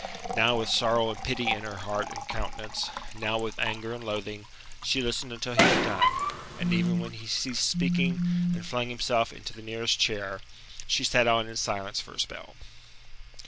Now with sorrow and pity in her heart and countenance, now with anger and loathing, she listened until he had done, and even when he ceased speaking, and flung himself into the nearest chair, she sat on in silence for a spell.